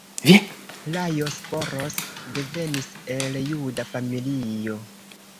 Lajos Boros devenis el juda familio.